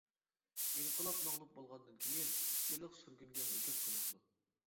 ئىنقىلاب مەغلۇپ بولغاندىن كېيىن، ئۈچ يىللىق سۈرگۈنگە ھۆكۈم قىلىنىدۇ.